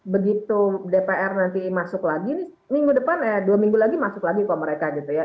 begitu dpr nanti masuk lagi minggu depan ya dua minggu lagi masuk lagi kok mereka gitu ya